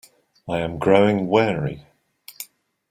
I am growing wary.